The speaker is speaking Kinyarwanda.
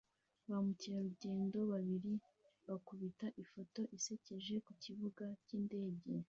Ba mukerarugendo babiri bakubita ifoto isekeje ku kibuga cyindege